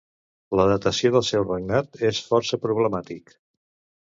La datació del seu regnat és força problemàtic.